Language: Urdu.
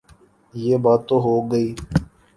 یہ بات تو ہو گئی۔